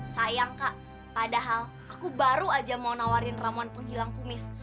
sayang kak padahal aku baru aja mau nawarin ramuan penghilang kumis